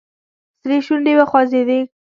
سړي شونډې وخوځېدې.